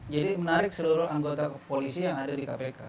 jadi menarik seluruh anggota polisi yang ada di kpk